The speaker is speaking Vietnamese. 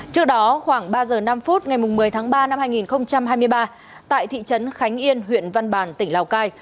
trước đó khoảng ba giờ năm phút ngày một mươi tháng ba năm hai nghìn hai mươi ba tại thị trấn khánh yên huyện văn bàn tỉnh lào cai